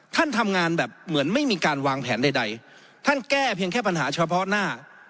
ท่านทำงานแบบเหมือนไม่มีการวางแผนใดท่านแก้เพียงแค่ปัญหาเฉพาะหน้า